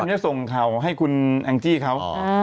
มันจะส่งเขาให้คุณแอลนิจจิย์ครับ